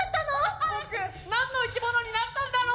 僕何のいきものになったんだろう？